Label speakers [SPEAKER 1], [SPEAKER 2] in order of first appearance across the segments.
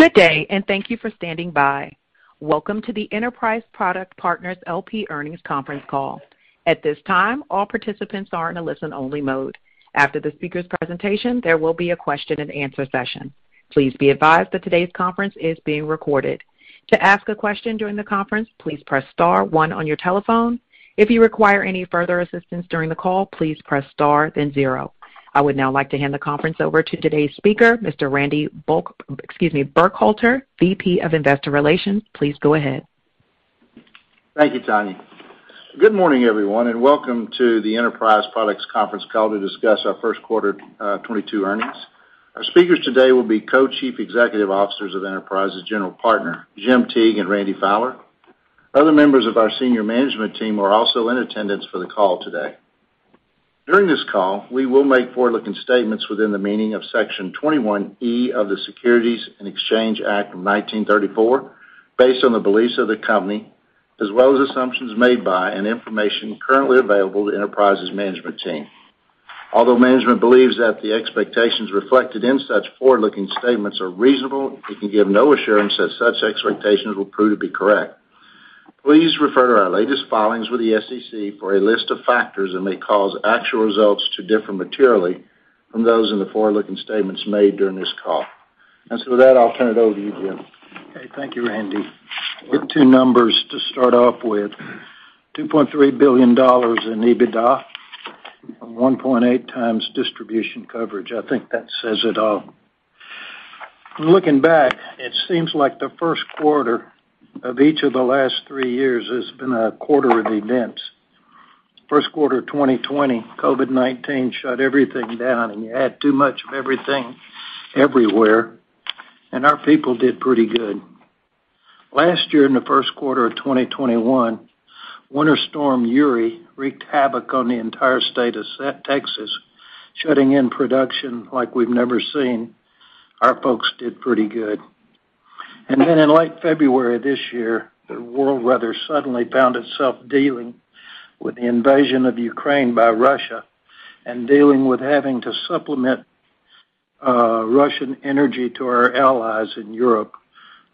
[SPEAKER 1] Good day, and thank you for standing by. Welcome to the Enterprise Products Partners LP earnings conference call. At this time, all participants are in a listen-only mode. After the speaker's presentation, there will be a question-and-answer session. Please be advised that today's conference is being recorded. To ask a question during the conference, please press star one on your telephone. If you require any further assistance during the call, please press star, then zero. I would now like to hand the conference over to today's speaker, Mr. Randy Burkhalter, VP of Investor Relations. Please go ahead.
[SPEAKER 2] Thank you, Tanya. Good morning, everyone, and welcome to the Enterprise Products Partners conference call to discuss our first quarter 2022 earnings. Our speakers today will be Co-Chief Executive Officers of Enterprise Products Partners's general partner, Jim Teague and Randy Fowler. Other members of our senior management team are also in attendance for the call today. During this call, we will make forward-looking statements within the meaning of Section 21E of the Securities Exchange Act of 1934, based on the beliefs of the company, as well as assumptions made by and information currently available to Enterprise Products Partners's management team. Although management believes that the expectations reflected in such forward-looking statements are reasonable, we can give no assurance that such expectations will prove to be correct. Please refer to our latest filings with the SEC for a list of factors that may cause actual results to differ materially from those in the forward-looking statements made during this call. With that, I'll turn it over to you, Jim.
[SPEAKER 3] Okay. Thank you, Randy. We have two numbers to start off with, $2.3 billion in EBITDA, 1.8 times distribution coverage. I think that says it all. Looking back, it seems like the first quarter of each of the last three years has been a quarter of events. First quarter of 2020, COVID-19 shut everything down, and you had too much of everything everywhere, and our people did pretty good. Last year, in the first quarter of 2021, Winter Storm Uri wreaked havoc on the entire state of Texas, shutting in production like we've never seen. Our folks did pretty good. In late February this year, the world rather suddenly found itself dealing with the invasion of Ukraine by Russia and dealing with having to supplement Russian energy to our allies in Europe,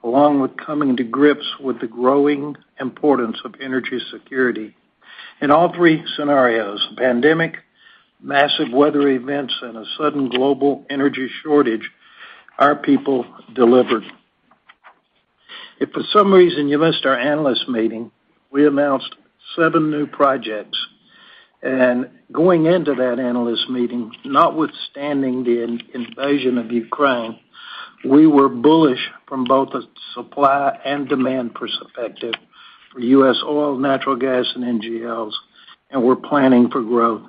[SPEAKER 3] along with coming to grips with the growing importance of energy security. In all three scenarios, pandemic, massive weather events, and a sudden global energy shortage, our people delivered. If for some reason you missed our analyst meeting, we announced seven new projects. Going into that analyst meeting, notwithstanding the invasion of Ukraine, we were bullish from both a supply and demand perspective for U.S. oil, natural gas, and NGLs, and we're planning for growth.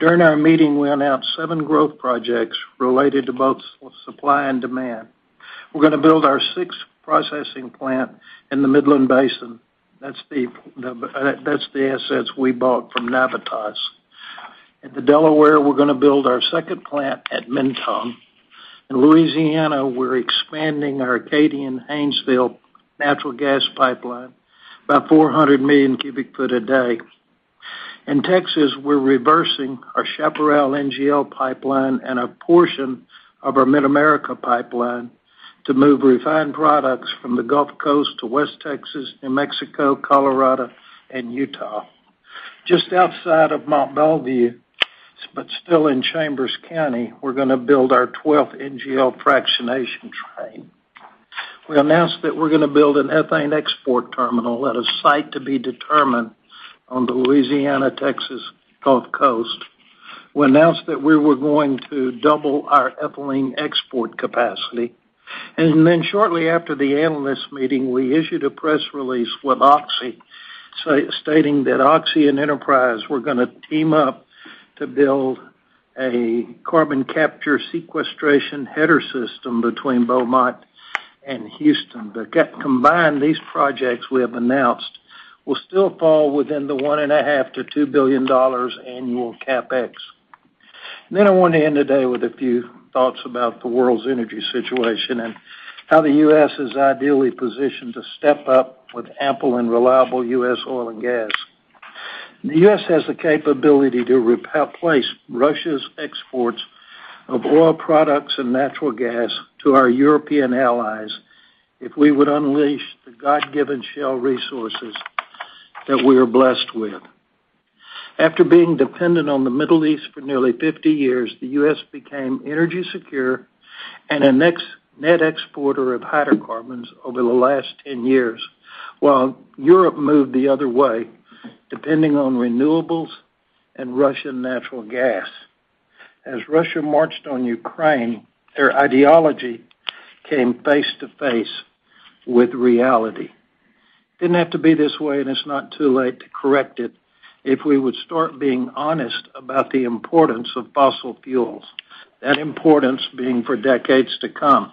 [SPEAKER 3] During our meeting, we announced seven growth projects related to both supply and demand. We're gonna build our sixth processing plant in the Midland Basin. That's the assets we bought from Navitas. At the Delaware, we're gonna build our second plant at Mentone. In Louisiana, we're expanding our Acadian Haynesville natural gas pipeline, about 400 million cubic feet a day. In Texas, we're reversing our Chaparral NGL pipeline and a portion of our Mid-America pipeline to move refined products from the Gulf Coast to West Texas, New Mexico, Colorado, and Utah. Just outside of Mont Belvieu, but still in Chambers County, we're gonna build our 12th NGL fractionation train. We announced that we're gonna build an ethane export terminal at a site to be determined on the Louisiana-Texas Gulf Coast. We announced that we were going to double our ethylene export capacity. Then shortly after the analyst meeting, we issued a press release with Oxy, stating that Oxy and Enterprise were gonna team up to build a carbon capture sequestration header system between Beaumont and Houston. Combined, these projects we have announced will still fall within the $1.5 billion-$2 billion annual CapEx. I wanna end today with a few thoughts about the world's energy situation and how the U.S. is ideally positioned to step up with ample and reliable U.S. oil and gas. The U.S. has the capability to replace Russia's exports of oil products and natural gas to our European allies if we would unleash the God-given shale resources that we are blessed with. After being dependent on the Middle East for nearly 50 years, the U.S. became energy secure and a net exporter of hydrocarbons over the last 10 years, while Europe moved the other way, depending on renewables and Russian natural gas. As Russia marched on Ukraine, their ideology came face-to-face with reality. Didn't have to be this way, and it's not too late to correct it if we would start being honest about the importance of fossil fuels, that importance being for decades to come.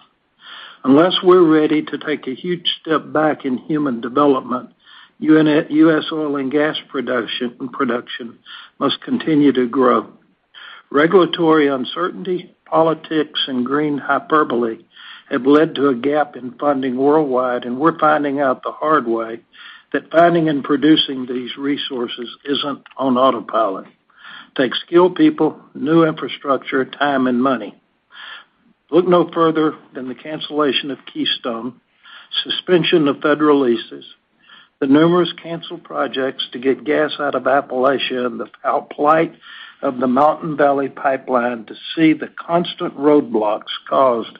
[SPEAKER 3] Unless we're ready to take a huge step back in human development, U.S oil and gas production must continue to grow. Regulatory uncertainty, politics, and green hyperbole have led to a gap in funding worldwide, and we're finding out the hard way that finding and producing these resources isn't on autopilot. Take skilled people, new infrastructure, time and money. Look no further than the cancellation of Keystone, suspension of federal leases, the numerous canceled projects to get gas out of Appalachia, and the foul plight of the Mountain Valley Pipeline to see the constant roadblocks caused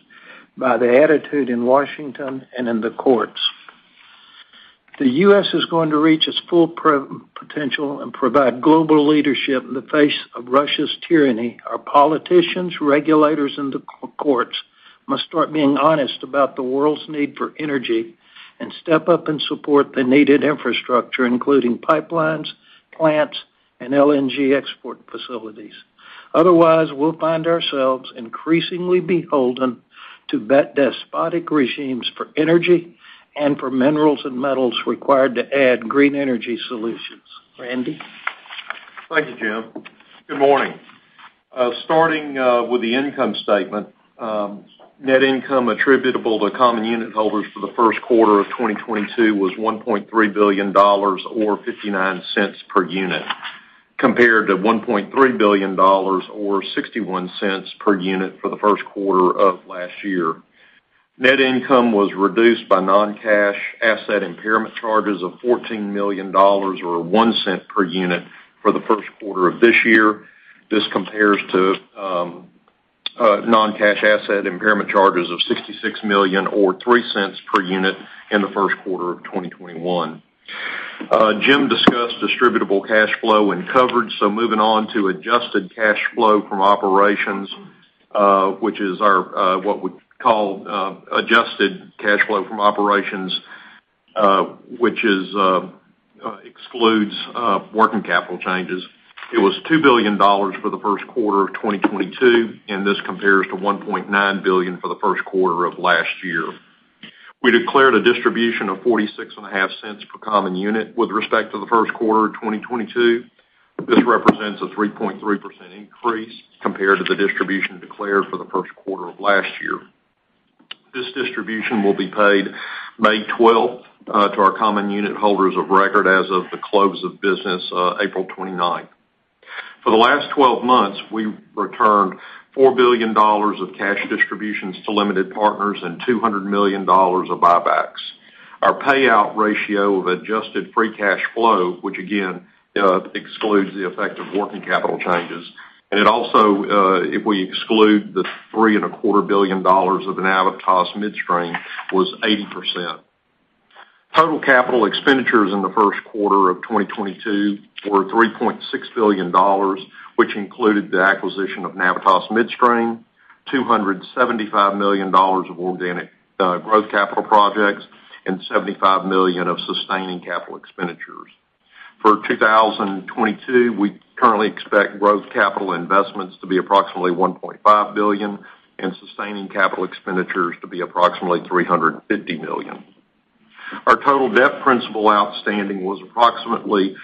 [SPEAKER 3] by the attitude in Washington and in the courts. The U.S is going to reach its full potential and provide global leadership in the face of Russia's tyranny. Our politicians, regulators, and the courts must start being honest about the world's need for energy and step up and support the needed infrastructure, including pipelines, plants, and LNG export facilities. Otherwise, we'll find ourselves increasingly beholden to despotic regimes for energy and for minerals and metals required to add green energy solutions. Randy?
[SPEAKER 4] Thank you, Jim. Good morning. Starting with the income statement, net income attributable to common unit holders for the first quarter of 2022 was $1.3 billion or 0.59 per unit, compared to $1.3 billion or 0.61 per unit for the first quarter of last year. Net income was reduced by non-cash asset impairment charges of $14 million or 0.01 per unit for the first quarter of this year. This compares to non-cash asset impairment charges of $66 million or 0.03 per unit in the first quarter of 2021. Jim discussed distributable cash flow and coverage. Moving on to adjusted cash flow from operations, which is what we call adjusted cash flow from operations, which excludes working capital changes. It was $2 billion for the first quarter of 2022, and this compares to 1.9 billion for the first quarter of last year. We declared a distribution of 0.465 per common unit with respect to the first quarter of 2022. This represents a 3.3% increase compared to the distribution declared for the first quarter of last year. This distribution will be paid May 12th to our common unit holders of record as of the close of business April 29th. For the last 12 months, we returned $4 billion of cash distributions to limited partners and $200 million of buybacks. Our payout ratio of adjusted free cash flow, which again excludes the effect of working capital changes, and it also, if we exclude the $3.25 billion of the Navitas Midstream, was 80%. Total capital expenditures in the first quarter of 2022 were $3.6 billion, which included the acquisition of Navitas Midstream, $275 million of organic growth capital projects, and 75 million of sustaining capital expenditures. For 2022, we currently expect growth capital investments to be approximately 1.5 billion and sustaining capital expenditures to be approximately 350 million. Our total debt principal outstanding was approximately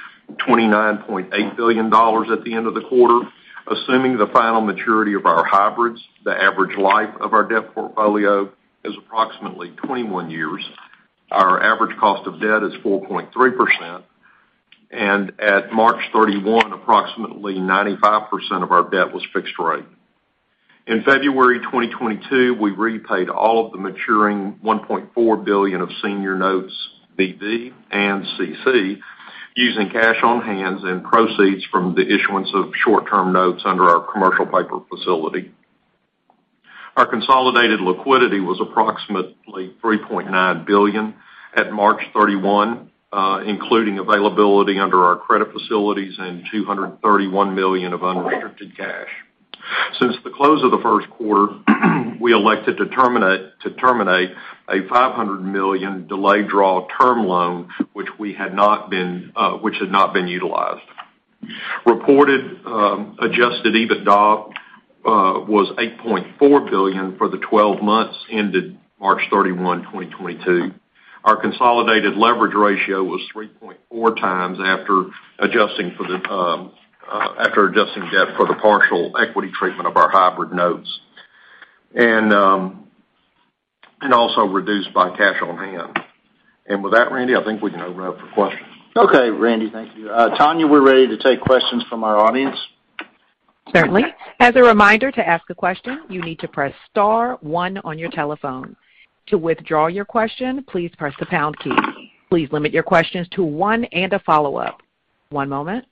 [SPEAKER 4] $29.8 billion at the end of the quarter. Assuming the final maturity of our hybrids, the average life of our debt portfolio is approximately 21 years. Our average cost of debt is 4.3%, and at March 31, approximately 95% of our debt was fixed rate. In February 2022, we repaid all of the maturing 1.4 billion of Senior Notes BB and CC, using cash on hand and proceeds from the issuance of short-term notes under our commercial paper facility. Our consolidated liquidity was approximately 3.9 billion at March 31, including availability under our credit facilities and 231 million of unrestricted cash. Since the close of the first quarter, we elected to terminate a 500 million delayed draw term loan, which had not been utilized. Reported adjusted EBITDA was $8.4 billion for the 12 months ended March 31, 2022. Our consolidated leverage ratio was 3.4 times after adjusting debt for the partial equity treatment of our hybrid notes, also reduced by cash on hand. With that, Randy, I think we can open it up for questions.
[SPEAKER 3] Okay, Randy, thank you. Tanya, we're ready to take questions from our audience.
[SPEAKER 1] Certainly. As a reminder, to ask a question, you need to press star one on your telephone. To withdraw your question, please press the pound key. Please limit your questions to one and a follow-up. One moment.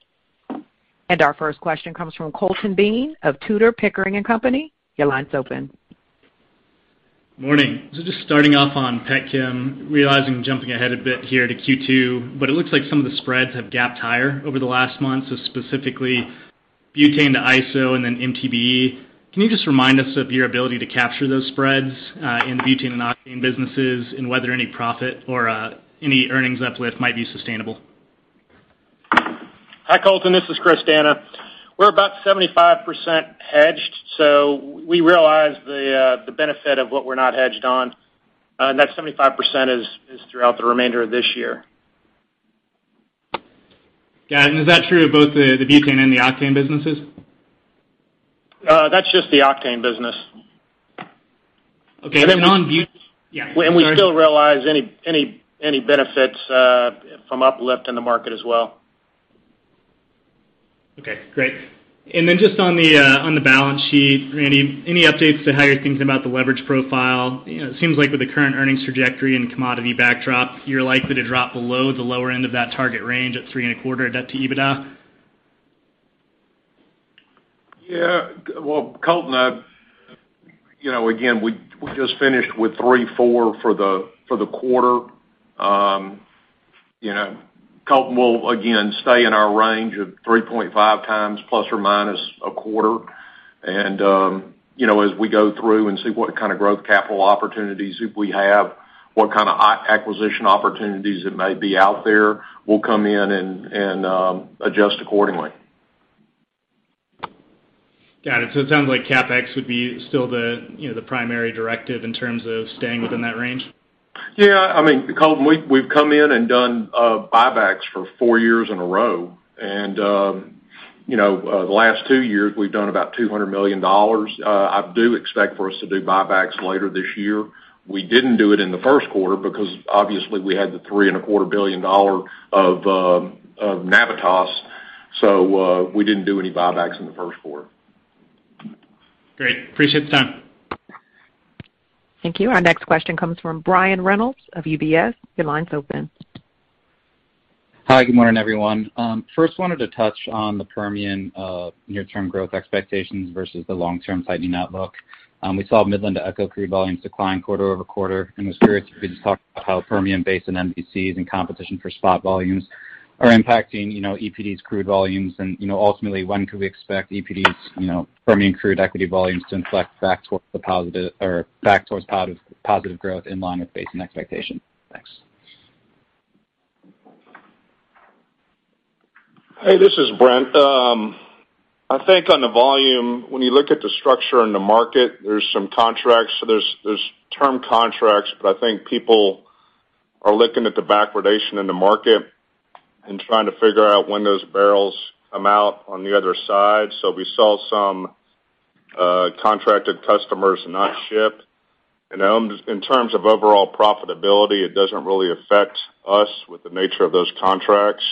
[SPEAKER 1] Our first question comes from Colton Bean of Tudor, Pickering, Holt & Co.. Your line's open.
[SPEAKER 5] Morning. Just starting off on petchem, realizing jumping ahead a bit here to Q2, but it looks like some of the spreads have gapped higher over the last month. Specifically, butane to isobutane and then MTBE. Can you just remind us of your ability to capture those spreads in butane and octane businesses, and whether any profit or any earnings uplift might be sustainable?
[SPEAKER 6] Hi, Colton. This is A.J. 'Chris' D'Anna We're about 75% hedged, so we realize the benefit of what we're not hedged on. That 75% is throughout the remainder of this year.
[SPEAKER 5] Got it. Is that true of both the butane and the octane businesses?
[SPEAKER 6] That's just the octane business.
[SPEAKER 5] Okay. On
[SPEAKER 7] We still realize any benefits from uplift in the market as well.
[SPEAKER 5] Okay, great. Just on the balance sheet, Randy, any updates to how you're thinking about the leverage profile? You know, it seems like with the current earnings trajectory and commodity backdrop, you're likely to drop below the lower end of that target range at 3.25 debt to EBITDA.
[SPEAKER 4] Yeah. Well, Colton, you know, again, we just finished with 3.4 for the quarter. You know, Colton, we'll again stay in our range of 3.5x ± a quarter. As we go through and see what kind of growth capital opportunities if we have, what kind of acquisition opportunities that may be out there, we'll come in and adjust accordingly.
[SPEAKER 5] Got it. It sounds like CapEx would be still the, you know, the primary directive in terms of staying within that range.
[SPEAKER 7] I mean, Colton, we've come in and done buybacks for four years in a row. You know, the last two years, we've done about $200 million. I do expect for us to do buybacks later this year. We didn't do it in the first quarter because obviously we had the $3.25 billion of Navitas. We didn't do any buybacks in the first quarter.
[SPEAKER 5] Great. Appreciate the time.
[SPEAKER 1] Thank you. Our next question comes from Brian Reynolds of UBS. Your line's open.
[SPEAKER 8] Hi, good morning, everyone. First, wanted to touch on the Permian near-term growth expectations versus the long-term tightening outlook. We saw Midland to ECHO crude volumes decline quarter-over-quarter. Was curious if you could just talk about how Permian Basin and MVCs and competition for spot volumes are impacting, you know, EPD's crude volumes. You know, ultimately, when could we expect EPD's, you know, Permian crude equity volumes to inflect back towards the positive or back towards positive growth in line with Basin expectation? Thanks.
[SPEAKER 7] Hey, this is Brent Secrest. I think on the volume, when you look at the structure in the market, there's some contracts. There's term contracts, but I think people are looking at the backwardation in the market and trying to figure out when those barrels come out on the other side. We saw some contracted customers not ship. You know, in terms of overall profitability, it doesn't really affect us with the nature of those contracts.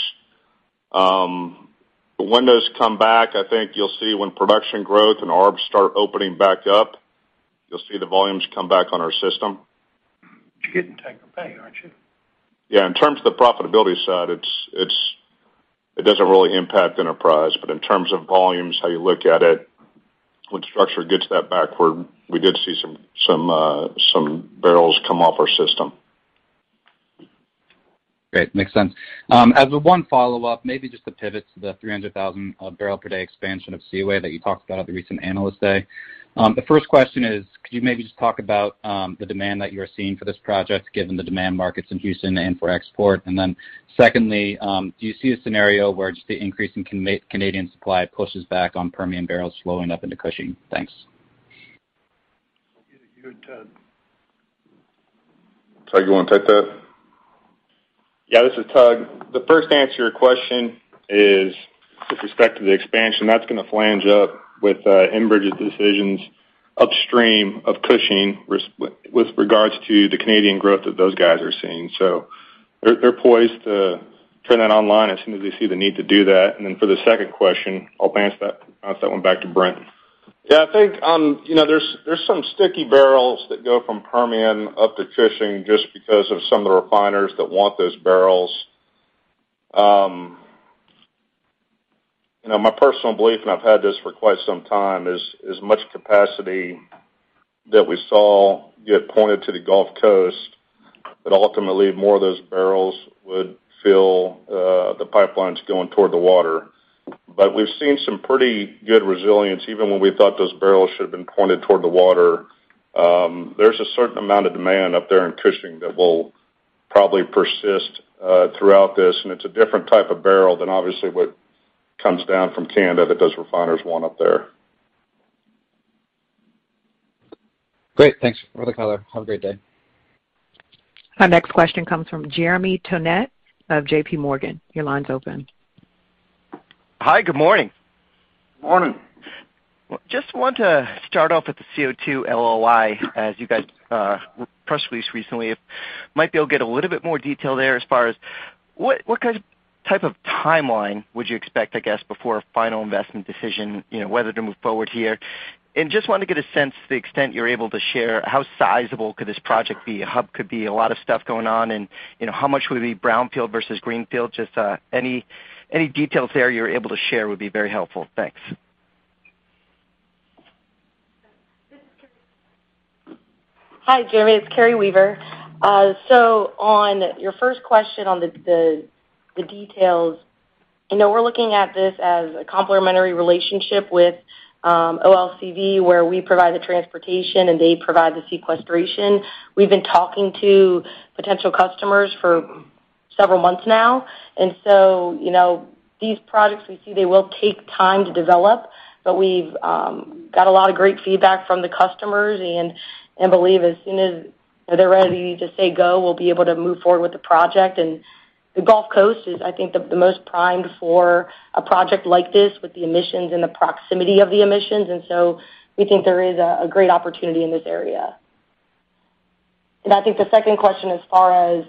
[SPEAKER 7] When those come back, I think you'll see when production growth and arbs start opening back up, you'll see the volumes come back on our system.
[SPEAKER 5] You're getting taken back, aren't you?
[SPEAKER 7] Yeah. In terms of the profitability side, it doesn't really impact Enterprise. But in terms of volumes, how you look at it, when structure gets that backward, we did see some barrels come off our system.
[SPEAKER 8] Great. Makes sense. As one follow-up, maybe just to pivot to the 300,000 barrel per day expansion of Seaway that you talked about at the recent Analyst Day. The first question is, could you maybe just talk about the demand that you're seeing for this project, given the demand markets in Houston and for export? And then secondly, do you see a scenario where just the increase in Canadian supply pushes back on Permian barrels flowing up into Cushing? Thanks.
[SPEAKER 7] You and R.D. 'Tug' Hanley. R.D. 'Tug' Hanley, you wanna take that?
[SPEAKER 5] Yeah, this is R.D. 'Tug' Hanley. The first answer to your question is with respect to the expansion, that's gonna flange up with Enbridge's decisions upstream of Cushing with regards to the Canadian growth that those guys are seeing. They're poised to turn that online as soon as they see the need to do that. For the second question, I'll bounce that one back to Brent.
[SPEAKER 7] Yeah, I think you know, there's some sticky barrels that go from Permian up to Cushing just because of some of the refiners that want those barrels. You know, my personal belief, and I've had this for quite some time, is much capacity that we saw get pointed to the Gulf Coast, that ultimately more of those barrels would fill the pipelines going toward the water. But we've seen some pretty good resilience, even when we thought those barrels should have been pointed toward the water. There's a certain amount of demand up there in Cushing that will probably persist throughout this, and it's a different type of barrel than obviously what comes down from Canada that those refiners want up there.
[SPEAKER 8] Great. Thanks for the color. Have a great day.
[SPEAKER 1] Our next question comes from Jeremy Tonet of J.P. Morgan. Your line's open.
[SPEAKER 9] Hi, good morning.
[SPEAKER 7] Morning.
[SPEAKER 9] Well, just want to start off with the CO2 LOI, as you guys press released recently. If you might be able to get a little bit more detail there as far as what kind of type of timeline would you expect, I guess, before a final investment decision, you know, whether to move forward here? Just want to get a sense to the extent you're able to share, how sizable could this project be? A hub could be a lot of stuff going on and, you know, how much would it be brownfield versus greenfield? Just any details there you're able to share would be very helpful. Thanks.
[SPEAKER 10] This is Carrie. Hi, Jeremy, it's Carrie Weaver. On your first question on the details, I know we're looking at this as a complementary relationship with OLCV, where we provide the transportation and they provide the sequestration. We've been talking to potential customers for several months now. You know, these projects we see they will take time to develop, but we've got a lot of great feedback from the customers and believe as soon as they're ready to say go, we'll be able to move forward with the project and the Gulf Coast is, I think, the most primed for a project like this with the emissions and the proximity of the emissions. We think there is a great opportunity in this area. I think the second question, as far as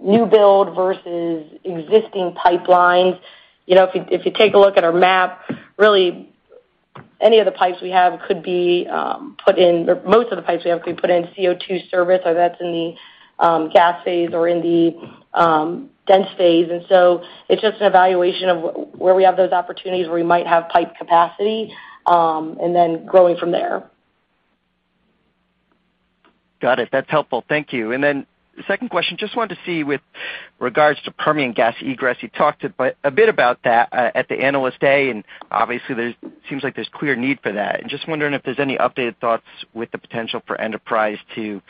[SPEAKER 10] new build versus existing pipelines, you know, if you take a look at our map, really any of the pipes we have could be put in or most of the pipes we have could be put in CO2 service, whether that's in the gas phase or in the dense phase. It's just an evaluation of where we have those opportunities, where we might have pipe capacity, and then growing from there.
[SPEAKER 9] Got it. That's helpful. Thank you. Then the second question, just wanted to see with regards to Permian gas egress, you talked a bit about that at the Analyst Day, and obviously seems like there's clear need for that. I'm just wondering if there's any updated thoughts with the potential for Enterprise to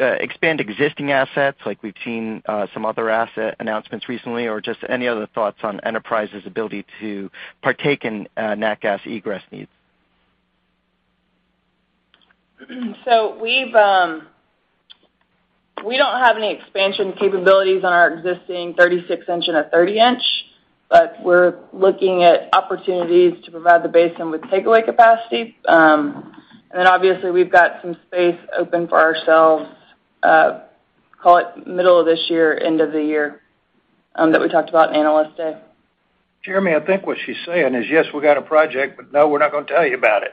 [SPEAKER 9] expand existing assets, like we've seen some other asset announcements recently, or just any other thoughts on Enterprise's ability to partake in nat gas egress needs.
[SPEAKER 10] We don't have any expansion capabilities on our existing 36-inch and a 30-inch, but we're looking at opportunities to provide the basin with takeaway capacity. Obviously we've got some space open for ourselves, call it middle of this year, end of the year, that we talked about in Analyst Day.
[SPEAKER 7] Jeremy, I think what she's saying is, yes, we've got a project, but no, we're not going to tell you about it.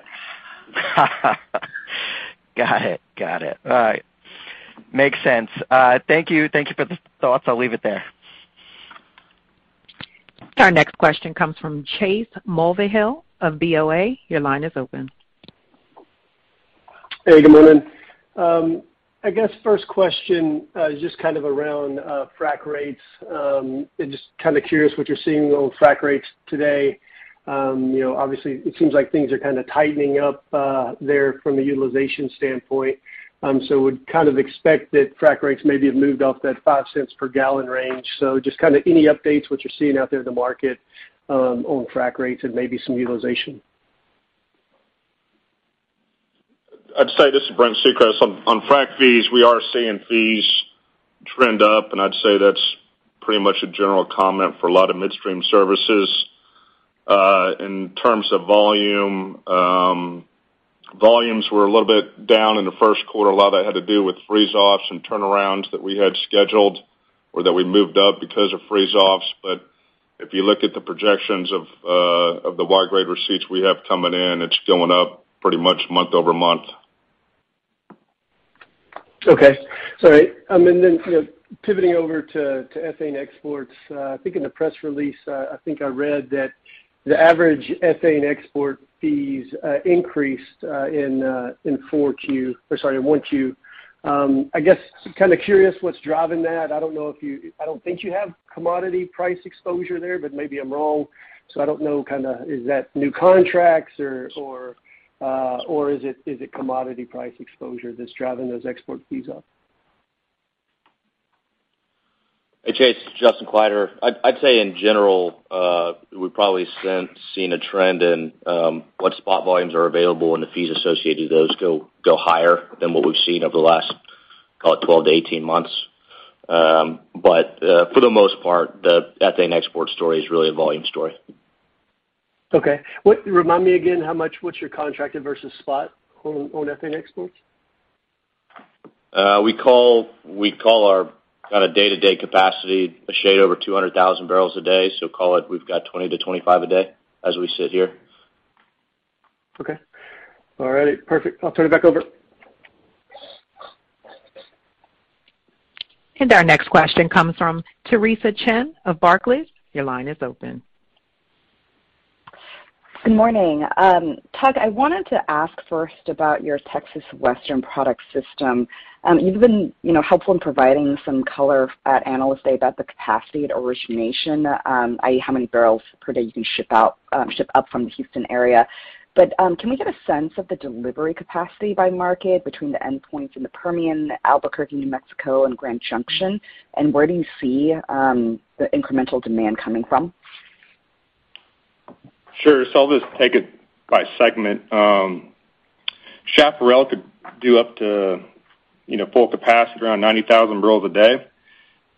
[SPEAKER 11] Got it. All right. Makes sense. Thank you for the thoughts. I'll leave it there.
[SPEAKER 1] Our next question comes from Chase Mulvehill of BofA. Your line is open.
[SPEAKER 12] Hey, good morning. I guess first question, just kind of around frac spreads. Just kind of curious what you're seeing on frac spreads today. You know, obviously it seems like things are kind of tightening up there from a utilization standpoint. Would kind of expect that frac spreads maybe have moved off that 0.05 per gallon range. Just kind of any updates what you're seeing out there in the market on frac spreads and maybe some utilization?
[SPEAKER 7] I'd say this is Brent Secrest. On frack fees, we are seeing fees trend up, and I'd say that's pretty much a general comment for a lot of midstream services. In terms of volume, volumes were a little bit down in the first quarter. A lot of that had to do with freeze-offs and turnarounds that we had scheduled or that we moved up because of freeze-offs. If you look at the projections of the Y-grade receipts we have coming in, it's going up pretty much month-over-month.
[SPEAKER 12] Okay. Sorry. You know, pivoting over to ethane exports. I think in the press release, I think I read that the average ethane export fees increased in 1Q. I guess kind of curious what's driving that. I don't know. I don't think you have commodity price exposure there, but maybe I'm wrong. I don't know, kind of, is that new contracts or is it commodity price exposure that's driving those export fees up?
[SPEAKER 13] Hey, Chase Mulvehill, Justin Kleiderer. I'd say in general, we've probably seen a trend in what spot volumes are available and the fees associated with those go higher than what we've seen over the last, call it 12-18 months. For the most part, the ethane export story is really a volume story.
[SPEAKER 12] Okay. Remind me again, what's your contracted versus spot on ethane exports?
[SPEAKER 13] We call our kinda day-to-day capacity a shade over 200,000 barrels a day. Call it we've got 20 to 25 a day as we sit here.
[SPEAKER 12] Okay. All righty. Perfect. I'll turn it back over.
[SPEAKER 1] Our next question comes from Theresa Chen of Barclays. Your line is open.
[SPEAKER 14] Good morning. Tug, I wanted to ask first about your Texas Western Products system. You've been, you know, helpful in providing some color at Analyst Day about the capacity at origination, i.e., how many barrels per day you can ship out, ship up from the Houston area. Can we get a sense of the delivery capacity by market between the endpoints in the Permian, Albuquerque, New Mexico, and Grand Junction? And where do you see the incremental demand coming from?
[SPEAKER 11] Sure. I'll just take it by segment. Chaparral could do up to, you know, full capacity around 90,000 barrels a day.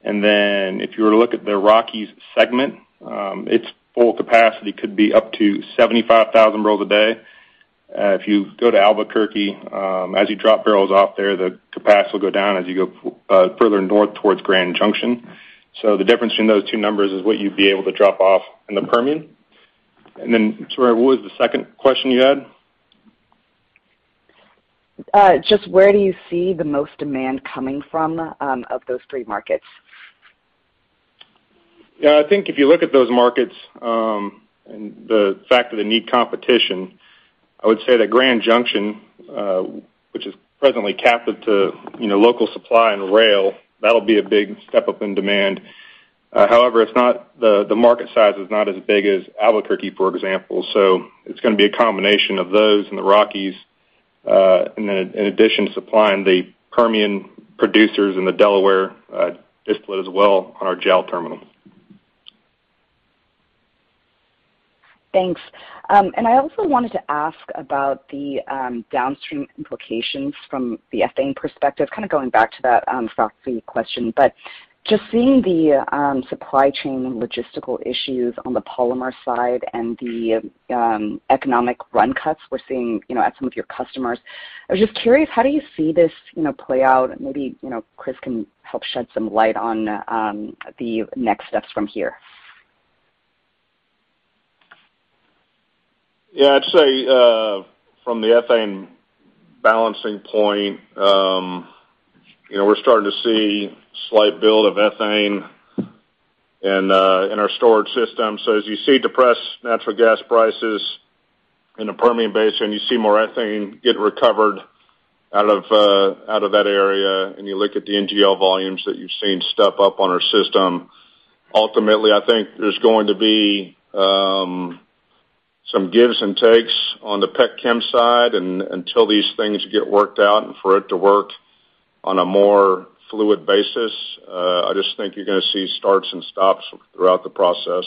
[SPEAKER 11] If you were to look at the Rockies segment, its full capacity could be up to 75,000 barrels a day. If you go to Albuquerque, as you drop barrels off there, the capacity will go down as you go, further north towards Grand Junction. The difference between those two numbers is what you'd be able to drop off in the Permian. Sorry, what was the second question you had?
[SPEAKER 14] Just where do you see the most demand coming from, of those three markets?
[SPEAKER 11] Yeah. I think if you look at those markets, and the fact that they need competition, I would say that Grand Junction, which is presently captive to, you know, local supply and rail, that'll be a big step-up in demand. However, the market size is not as big as Albuquerque, for example. It's going to be a combination of those and the Rockies, and then in addition to supplying the Permian producers and the Delaware Basin as well on our Jal terminal.
[SPEAKER 14] Thanks. I also wanted to ask about the downstream implications from the ethane perspective, kind of going back to that FAFCI question. Just seeing the supply chain logistical issues on the polymer side and the economic run cuts we're seeing, you know, at some of your customers. I was just curious, how do you see this, you know, play out? Maybe, you know, Chris can help shed some light on the next steps from here.
[SPEAKER 7] Yeah. I'd say from the ethane balancing point, you know, we're starting to see slight build of ethane in our storage system. As you see depressed natural gas prices in the Permian Basin, you see more ethane get recovered out of that area, and you look at the NGL volumes that you've seen step up on our system. Ultimately, I think there's going to be some gives and takes on the pet chem side. Until these things get worked out and for it to work on a more fluid basis, I just think you're going to see starts and stops throughout the process.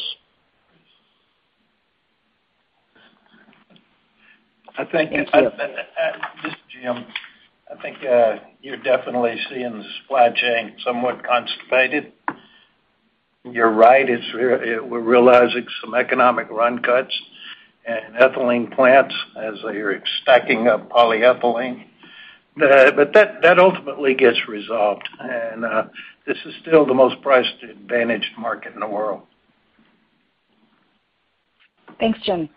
[SPEAKER 3] I think this is Jim. I think you're definitely seeing the supply chain somewhat constipated. You're right. We're realizing some economic run cuts in ethylene plants as they're stacking up polyethylene. But that ultimately gets resolved. This is still the most price-advantaged market in the world.
[SPEAKER 14] Thanks, Jim.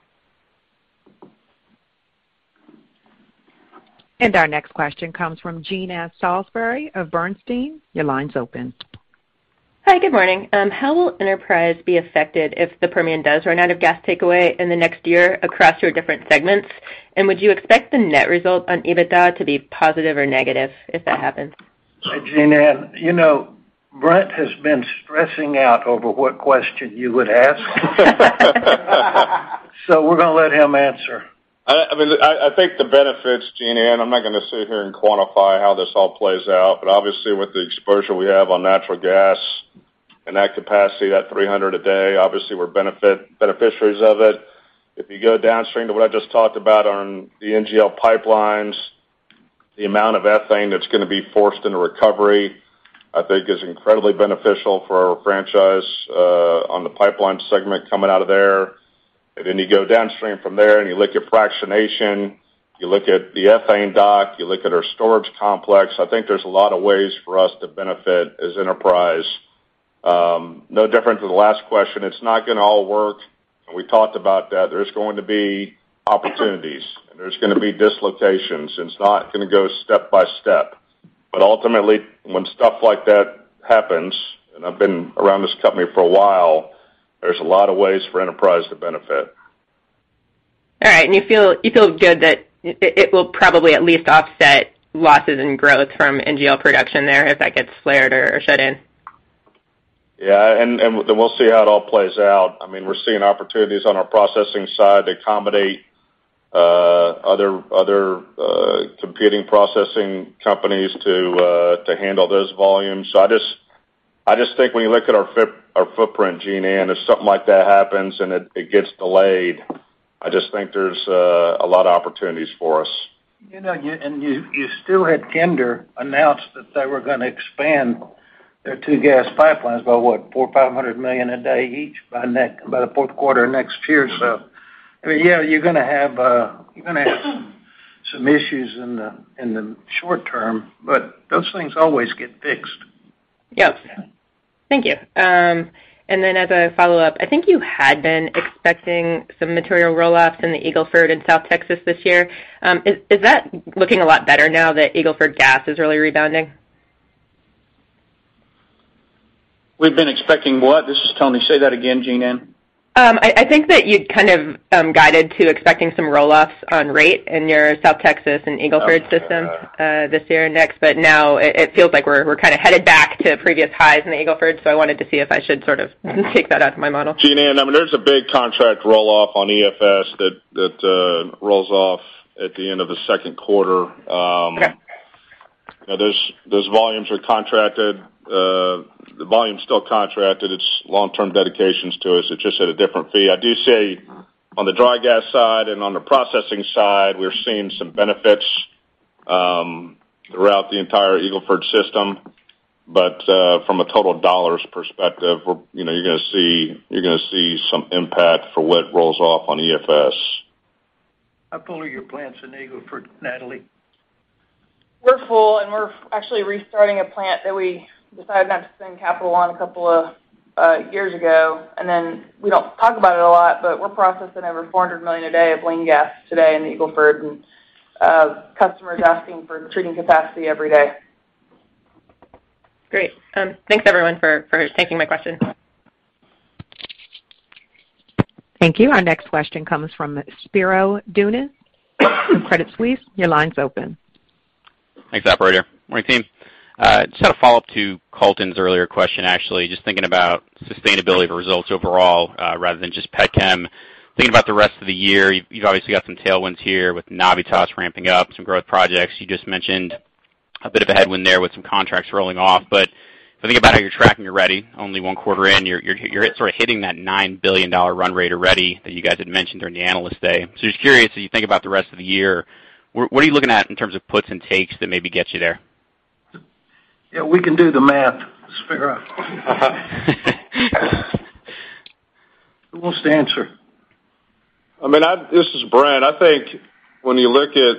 [SPEAKER 1] Our next question comes from Jeanann Salisbury of Bernstein. Your line's open.
[SPEAKER 15] Hi. Good morning. How will Enterprise be affected if the Permian does run out of gas takeaway in the next year across your different segments? Would you expect the net result on EBITDA to be positive or negative if that happens?
[SPEAKER 3] Hi, Jeanine. You know, Brent has been stressing out over what question you would ask. We're going to let him answer.
[SPEAKER 7] I mean, I think the benefits, Jeanann, I'm not gonna sit here and quantify how this all plays out. Obviously, with the exposure we have on natural gas and that capacity, that 300 a day, obviously we're beneficiaries of it. If you go downstream to what I just talked about on the NGL pipelines, the amount of ethane that's gonna be forced into recovery, I think is incredibly beneficial for our franchise, on the pipeline segment coming out of there. Then you go downstream from there and you look at fractionation, you look at the ethane dock, you look at our storage complex. I think there's a lot of ways for us to benefit as Enterprise. No different to the last question. It's not gonna all work, and we talked about that. There's going to be opportunities, and there's gonna be dislocations, and it's not gonna go step by step. Ultimately, when stuff like that happens, and I've been around this company for a while, there's a lot of ways for Enterprise to benefit.
[SPEAKER 15] All right. You feel good that it will probably at least offset losses in growth from NGL production there if that gets flared or shut in?
[SPEAKER 7] Yeah. We'll see how it all plays out. I mean, we're seeing opportunities on our processing side to accommodate other competing processing companies to handle those volumes. I just think when you look at our footprint, Jean Ann, if something like that happens and it gets delayed, I just think there's a lot of opportunities for us.
[SPEAKER 3] You know, you still had Kinder Morgan announce that they were gonna expand their two gas pipelines by 450 million a day each by the fourth quarter of next year. I mean, yeah, you're going to have some issues in the short term, but those things always get fixed.
[SPEAKER 12] Yep. Thank you. As a follow-up, I think you had been expecting some material roll-offs in the Eagle Ford in South Texas this year. Is that looking a lot better now that Eagle Ford gas is really rebounding?
[SPEAKER 14] We've been expecting what? This is Tony Chovanec. Say that again, Jean Ann.
[SPEAKER 15] I think that you'd kind of guided to expecting some roll-offs on rate in your South Texas and Eagle Ford system this year and next. Now it feels like we're kind of headed back to previous highs in the Eagle Ford. I wanted to see if I should sort of take that out of my model.
[SPEAKER 7] Jean Ann, I mean, there's a big contract roll-off on EFS that rolls off at the end of the second quarter.
[SPEAKER 12] Okay.
[SPEAKER 7] You know, those volumes are contracted. The volume's still contracted. It's long-term dedications to us. It's just at a different fee. I do see on the dry gas side and on the processing side, we're seeing some benefits throughout the entire Eagle Ford system. From a total dollars perspective, we're, you know, you're gonna see some impact for what rolls off on EFS.
[SPEAKER 3] How full are your plants in Eagle Ford, Natalie Gayden?
[SPEAKER 16] We're full, and we're actually restarting a plant that we decided not to spend capital on a couple of years ago. We don't talk about it a lot, but we're processing over 400 million a day of lean gas today in the Eagle Ford and customers asking for treating capacity every day.
[SPEAKER 12] Great. Thanks everyone for taking my questions.
[SPEAKER 1] Thank you. Our next question comes from Spiro Dounis from Credit Suisse. Your line's open.
[SPEAKER 17] Thanks, operator. Morning, team. Just had a follow-up to Colton's earlier question, actually. Just thinking about sustainability of results overall, rather than just pet chem. Thinking about the rest of the year, you've obviously got some tailwinds here with Navitas ramping up, some growth projects you just mentioned. A bit of a headwind there with some contracts rolling off. I think about how you're tracking already only one quarter in, you're sort of hitting that $9 billion run rate already that you guys had mentioned during the Analyst Day. Just curious, as you think about the rest of the year, what are you looking at in terms of puts and takes that maybe get you there?
[SPEAKER 14] Yeah, we can do the math. Let's figure out. Who wants to answer?
[SPEAKER 7] I mean, this is Brent. I think when you look at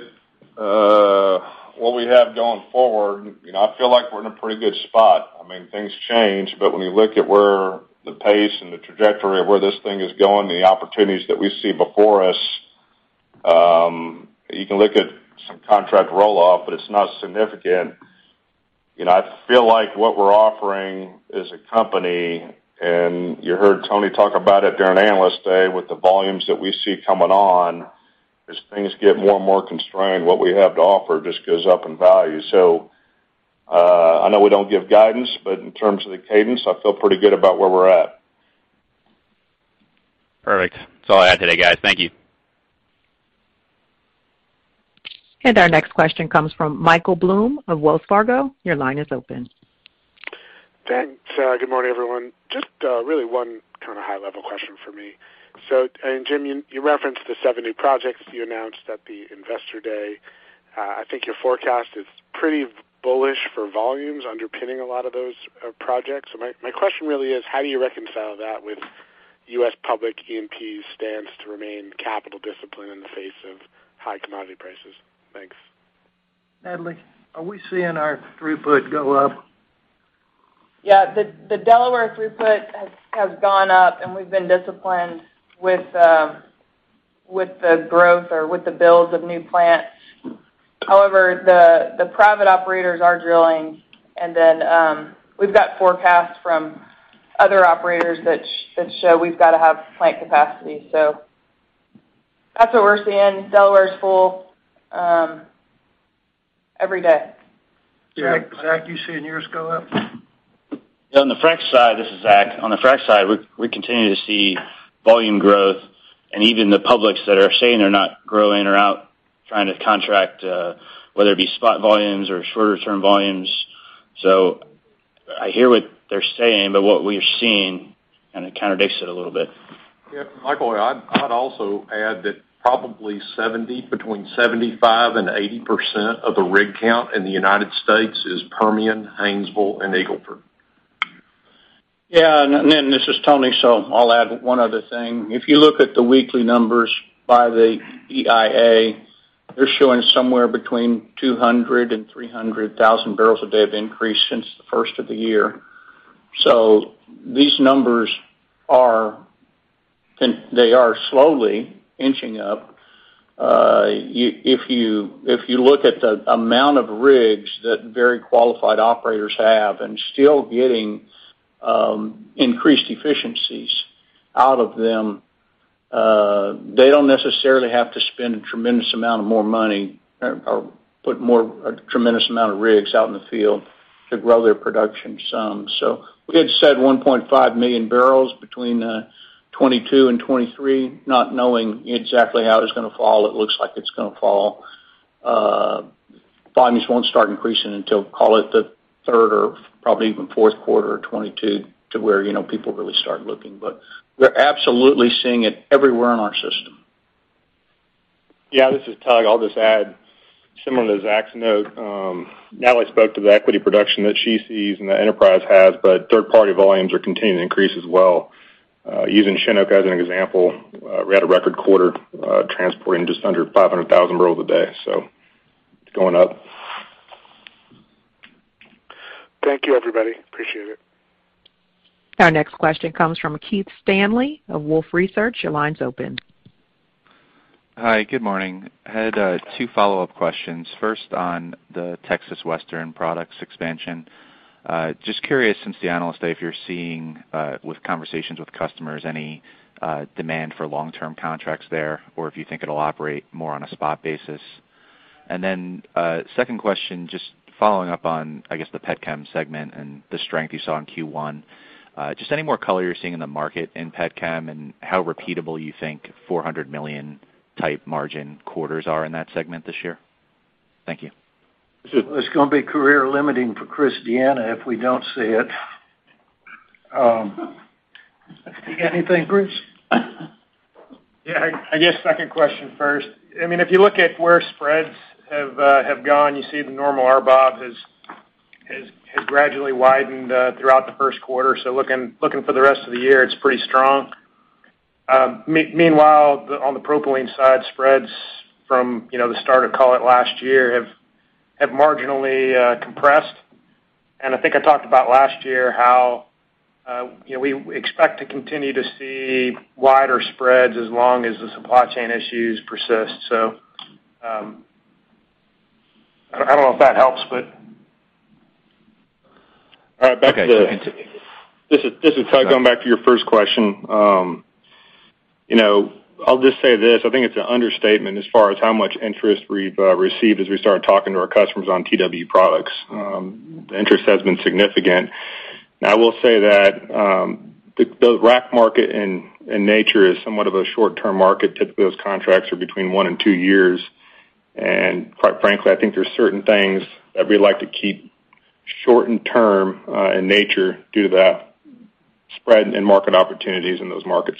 [SPEAKER 7] what we have going forward, you know, I feel like we're in a pretty good spot. I mean, things change, but when you look at where the pace and the trajectory of where this thing is going, the opportunities that we see before us, you can look at some contract roll-off, but it's not significant. You know, I feel like what we're offering as a company, and you heard Tony talk about it during Analyst Day, with the volumes that we see coming on, as things get more and more constrained, what we have to offer just goes up in value. I know we don't give guidance, but in terms of the cadence, I feel pretty good about where we're at.
[SPEAKER 17] Perfect. That's all I had today, guys. Thank you.
[SPEAKER 1] Our next question comes from Michael Blum of Wells Fargo. Your line is open.
[SPEAKER 18] Thanks. Good morning, everyone. Just really one kind of high level question for me. Jim, you referenced the seven new projects you announced at the Investor Day. I think your forecast is pretty bullish for volumes underpinning a lot of those projects. My question really is, how do you reconcile that with U.S. public E&P stance to remain capital disciplined in the face of high commodity prices? Thanks.
[SPEAKER 3] Natalie, are we seeing our throughput go up?
[SPEAKER 16] Yeah. The Delaware throughput has gone up, and we've been disciplined with the growth or with the builds of new plants. However, the private operators are drilling, and then we've got forecasts from other operators that show we've gotta have plant capacity. So that's what we're seeing. Delaware is full every day.
[SPEAKER 3] Zach Seifried, you seeing yours go up?
[SPEAKER 19] On the fracs side. This is Zach Seifried. On the fracs side, we're continuing to see volume growth. Even the publics that are saying they're not growing are out trying to contract, whether it be spot volumes or shorter-term volumes. I hear what they're saying, but what we are seeing, and it contradicts it a little bit.
[SPEAKER 7] Yeah, Michael, I'd also add that probably between 75% and 80% of the rig count in the United States is Permian, Haynesville, and Eagle Ford.
[SPEAKER 20] Yeah. This is Tony. I'll add one other thing. If you look at the weekly numbers by the EIA, they're showing somewhere between 200 and 300 thousand barrels a day of increase since the first of the year. These numbers are slowly inching up. If you look at the amount of rigs that very qualified operators have and still getting increased efficiencies out of them, they don't necessarily have to spend a tremendous amount of more money or put a tremendous amount of rigs out in the field to grow their production some. We had said 1.5 million barrels between 2022 and 2023, not knowing exactly how it's going to fall. It looks like it's going to fall. Volumes won't start increasing until, call it, the third or probably even fourth quarter of 2022 to where, you know, people really start looking. We're absolutely seeing it everywhere in our system.
[SPEAKER 11] Yeah. This is Tug. I'll just add similar to Zach's note. Natalie spoke to the equity production that she sees and that Enterprise has, but third-party volumes are continuing to increase as well. Using Shinook arbs as an example, we had a record quarter, transporting just under 500,000 barrels a day, so it's going up.
[SPEAKER 21] Thank you, everybody. Appreciate it.
[SPEAKER 1] Our next question comes from Keith Stanley of Wolfe Research. Your line's open.
[SPEAKER 22] Hi. Good morning. I had two follow-up questions. First, on the Texas Western Products expansion. Just curious, since the Analyst Day, if you're seeing, with conversations with customers, any demand for long-term contracts there, or if you think it'll operate more on a spot basis. Second question, just following up on, I guess, the petchem segment and the strength you saw in Q1. Just any more color you're seeing in the market in petchem and how repeatable you think 400 million-type margin quarters are in that segment this year? Thank you.
[SPEAKER 20] It's going to be career limiting for Chris D'Anna if we don't see it. Anything, Chris?
[SPEAKER 23] Yeah. I guess second question first. I mean, if you look at where spreads have gone, you see the normal RBOB has gradually widened throughout the first quarter. Looking for the rest of the year, it's pretty strong. Meanwhile, on the propylene side, spreads from, you know, the start of, call it, last year, have marginally compressed. I think I talked about last year how, you know, we expect to continue to see wider spreads as long as the supply chain issues persist. I don't know if that helps, but...
[SPEAKER 11] All right.
[SPEAKER 24] Okay. Thanks.
[SPEAKER 11] This is R.D. 'Tug' Hanley. Going back to your first question, you know, I'll just say this, I think it's an understatement as far as how much interest we've received as we started talking to our customers on TW Products. The interest has been significant.
[SPEAKER 13] I will say that the rack market in nature is somewhat of a short-term market. Typically, those contracts are between one and two years. Quite frankly, I think there's certain things that we like to keep short in term in nature due to that spread in market opportunities in those markets.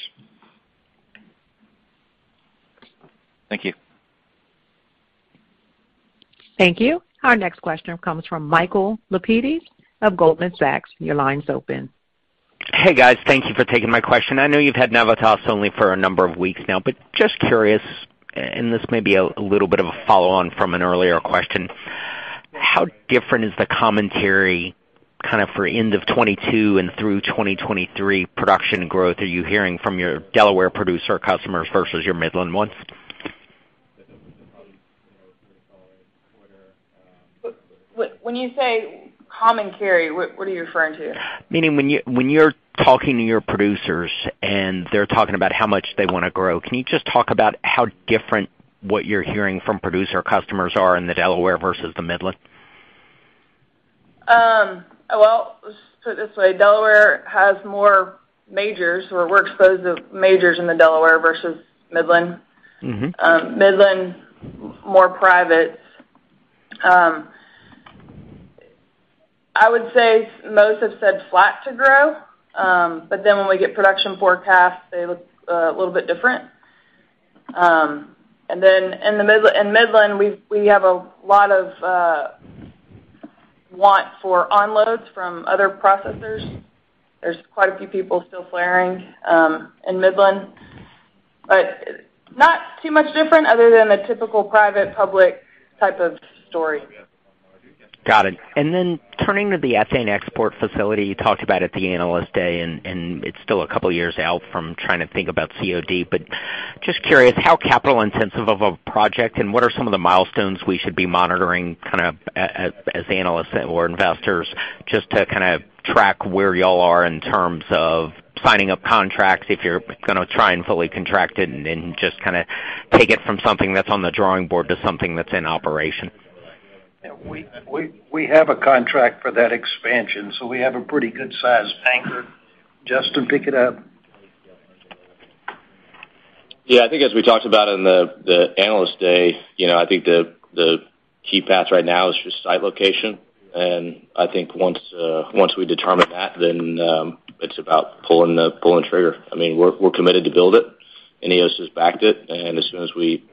[SPEAKER 25] Thank you.
[SPEAKER 1] Thank you. Our next question comes from Michael Lapides of Goldman Sachs. Your line's open.
[SPEAKER 26] Hey, guys. Thank you for taking my question. I know you've had Navitas only for a number of weeks now, but just curious, and this may be a little bit of a follow-on from an earlier question, how different is the commentary kind of for end of 2022 and through 2023 production growth are you hearing from your Delaware producer customers versus your Midland ones?
[SPEAKER 27] When you say commentary, what are you referring to?
[SPEAKER 26] Meaning when you're talking to your producers and they're talking about how much they wanna grow, can you just talk about how different what you're hearing from producer customers are in the Delaware versus the Midland?
[SPEAKER 27] Well, let's put it this way. Delaware has more majors or we're exposed to majors in the Delaware versus Midland.
[SPEAKER 26] Mm-hmm.
[SPEAKER 27] Midland, more privates. I would say most have said flat to grow, but then when we get production forecasts, they look a little bit different. In Midland, we have a lot of want for onloads from other processors. There's quite a few people still flaring in Midland. Not too much different other than a typical private-public type of story.
[SPEAKER 26] Got it. Turning to the ethane export facility you talked about at the Analyst Day, and it's still a couple years out from trying to think about COD, and just curious how capital-intensive of a project and what are some of the milestones we should be monitoring kind of as analysts or investors just to kind of track where y'all are in terms of signing up contracts, if you're gonna try and fully contract it and then just kind of take it from something that's on the drawing board to something that's in operation?
[SPEAKER 20] Yeah. We have a contract for that expansion, so we have a pretty good size anchor. Justin, pick it up.
[SPEAKER 13] Yeah. I think as we talked about in the Analyst Day, you know, I think the key path right now is just site location. I think once we determine that, then it's about pulling the trigger. I mean, we're committed to build it and INEOS has backed it. As soon as we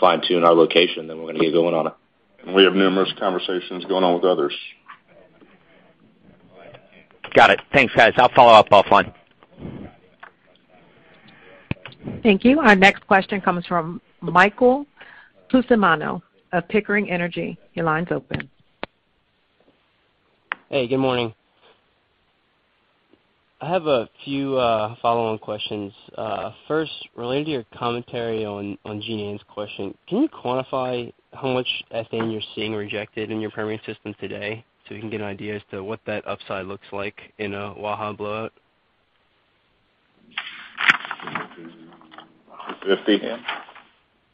[SPEAKER 13] fine-tune our location, then we're gonna get going on it.
[SPEAKER 7] We have numerous conversations going on with others.
[SPEAKER 26] Got it. Thanks, guys. I'll follow up offline.
[SPEAKER 1] Thank you. Our next question comes from Michael Scialla of Pickering Energy. Your line's open.
[SPEAKER 28] Hey, good morning. I have a few follow-on questions. First, related to your commentary on Jean Ann's question, can you quantify how much ethane you're seeing rejected in your Permian system today so we can get an idea as to what that upside looks like in a Waha blowup?
[SPEAKER 7] 250.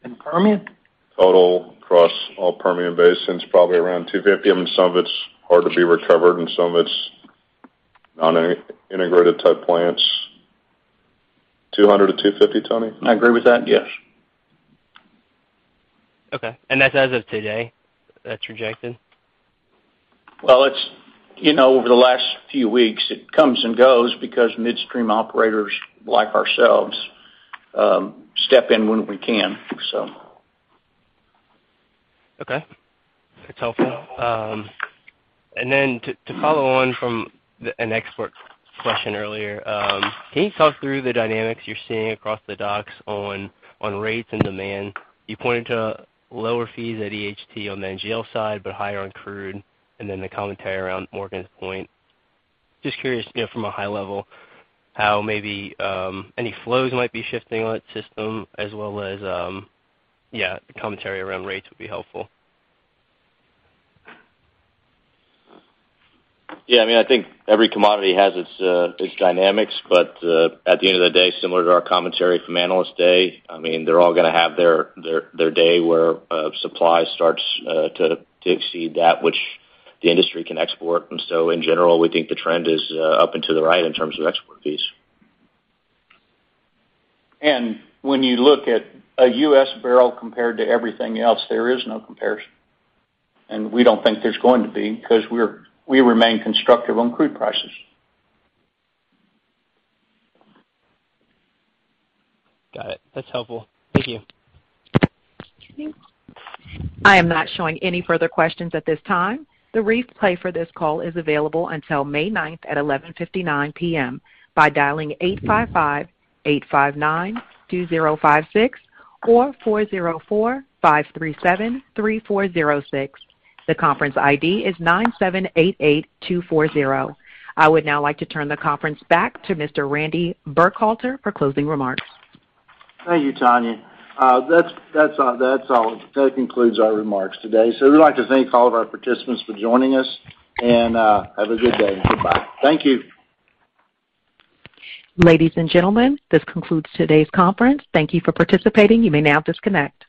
[SPEAKER 20] In Permian?
[SPEAKER 7] Total across all Permian basins, probably around 250. I mean, some of it's hard to be recovered and some of it's on a integrated type plants. 200-250, Tony?
[SPEAKER 20] I agree with that. Yes.
[SPEAKER 28] Okay. That's as of today that's rejected?
[SPEAKER 20] Well, it's, you know, over the last few weeks, it comes and goes because midstream operators like ourselves step in when we can, so.
[SPEAKER 28] Okay. That's helpful. To follow on from an export question earlier, can you talk through the dynamics you're seeing across the docks on rates and demand? You pointed to lower fees at Enterprise Hydrocarbon Terminal on the NGL side, but higher on crude, and then the commentary around Kinder Morgan's point. Just curious, you know, from a high level, how maybe any flows might be shifting on its system as well as the commentary around rates would be helpful.
[SPEAKER 13] Yeah. I mean, I think every commodity has its dynamics, but at the end of the day, similar to our commentary from Analyst Day, I mean, they're all going to have their day where supply starts to exceed that which the industry can export. In general, we think the trend is up and to the right in terms of export fees.
[SPEAKER 20] When you look at a U.S. barrel compared to everything else, there is no comparison. We don't think there's going to be because we remain constructive on crude prices.
[SPEAKER 28] Got it. That's helpful. Thank you.
[SPEAKER 1] I am not showing any further questions at this time. The replay for this call is available until May 9 at 11:59 P.M. by dialing 855-859-2056 or 404-537-3406. The conference ID is 9788240. I would now like to turn the conference back to Mr. Randy Burkhalter for closing remarks.
[SPEAKER 20] Thank you, Tanya. That's all. That concludes our remarks today. We'd like to thank all of our participants for joining us and have a good day. Bye. Thank you.
[SPEAKER 1] Ladies and gentlemen, this concludes today's conference. Thank you for participating. You may now disconnect.